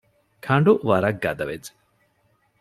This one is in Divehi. ކަނޑުވަރަށް ގަދަ ވެއްޖެ